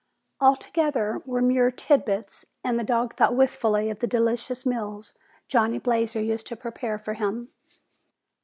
All together were mere tidbits, and the dog thought wistfully of the delicious meals Johnny Blazer used to prepare for him.